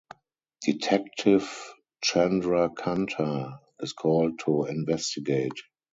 Detective Chandrakanta is called to investigate.